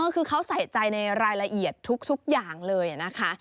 คือเขาใส่ใจในรายละเอียดทุกอย่างเลยนะคะ